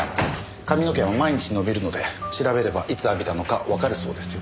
髪の毛は毎日伸びるので調べればいつ浴びたのかわかるそうですよ。